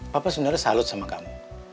papa sebenarnya salut sama kamu